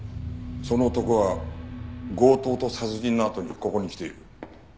その男は強盗と殺人のあとにここに来ている。